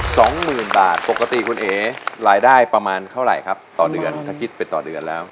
สองหมื่นบาทปกติคุณเอ๋รายได้ประมาณเท่าไหร่ครับต่อเดือนถ้าคิดเป็นต่อเดือนแล้ว